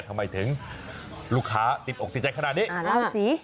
ทำไมถึงลูกค้าติดอกติดใจขนาดนี้